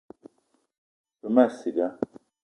Ve ma ciga